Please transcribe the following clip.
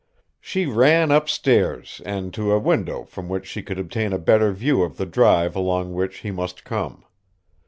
She ran up stairs and to a window from which she could obtain a better view of the drive along which he must come.